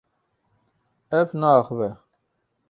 Ew naaxive.